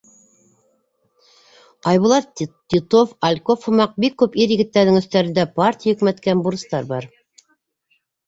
Айбулат, Титов, Альков һымаҡ бик күп ир-егеттәрҙең өҫтәрендә партия йөкмәткән бурыстар бар.